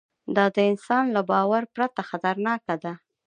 دا د انسان له باور پرته خطرناکه ده.